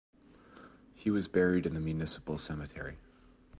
He was buried in the municipal cemetery.